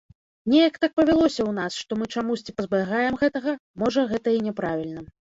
Неяк так павялося ў нас, што мы чамусьці пазбягаем гэтага, можа, гэта і няправільна.